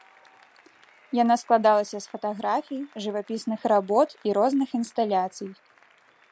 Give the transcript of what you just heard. Яна складалася з фатаграфій, жывапісных работ і розных інсталяцый.